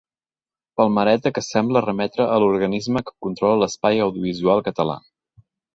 Palmereta que sembla remetre a l'organisme que controla l'espai audiovisual català.